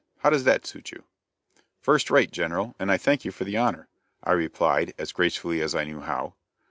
How does that suit you?" "First rate, General, and I thank you for the honor," I replied, as gracefully as I knew how.